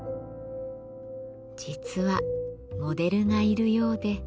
実はモデルがいるようで。